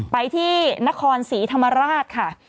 ไปที่นครศรีธรรมราชค่ะ